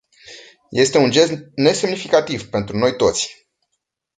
Este un gest nesemnificativ pentru noi toți.